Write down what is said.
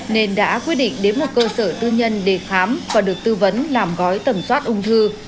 nên đã quyết định đến một cơ sở tư nhân để khám và được tư vấn làm gói tầm soát ung thư